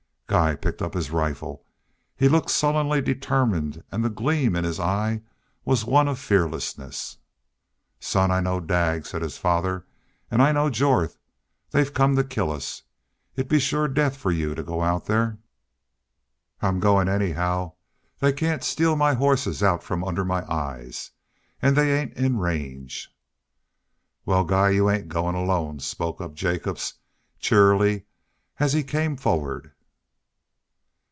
Guy picked up his rifle. He looked sullenly determined and the gleam in his eye was one of fearlessness. "Son, I know Daggs," said his father. "An' I know Jorth. They've come to kill us. It 'll be shore death for y'u to go out there." "I'm goin', anyhow. They can't steal my hosses out from under my eyes. An' they ain't in range." "Wal, Guy, you ain't goin' alone," spoke up Jacobs, cheerily, as he came forward.